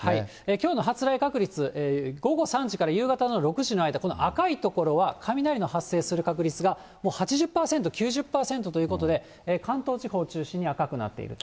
きょうの発雷確率、午後３時から夕方の６時の間、この赤い所は、雷の発生する確率がもう８０％、９０％ということで、関東地方を中心に、赤くなっていると。